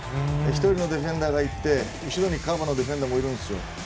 １人のディフェンダーがいて後ろにカバーのディフェンダーもいるんですよ。